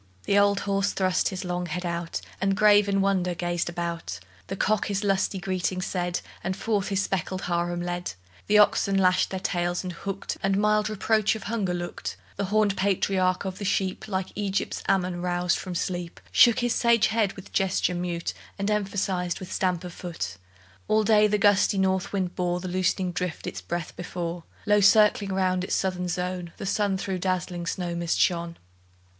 The old horse thrust his long head out, And grave with wonder gazed about; The cock his lusty greeting said, And forth his speckled harem led; The oxen lashed their tails, and hooked, And mild reproach of hunger looked; The hornèd patriarch of the sheep, Like Egypt's Amun roused from sleep, Shook his sage head with gesture mute, And emphasized with stamp of foot. All day the gusty north wind bore The loosening drift its breath before; Low circling round its southern zone, The sun through dazzling snow mist shone.